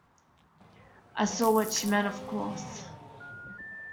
I saw what she meant, of course.